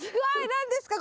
何ですか？